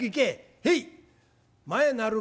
「へい」。